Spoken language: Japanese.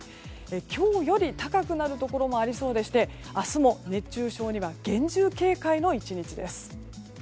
今日より高くなるところもありそうでして明日も熱中症には厳重警戒の１日です。